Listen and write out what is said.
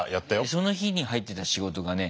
その日に入ってた仕事がね